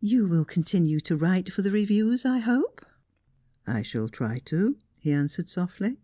"You will continue to write for the reviews, I hope?" "I shall try to," he answered softly.